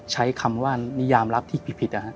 ใช้คำว่านิยามรับที่ผิดนะฮะ